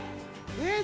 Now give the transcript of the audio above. え